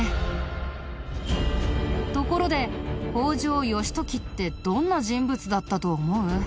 ところで北条義時ってどんな人物だったと思う？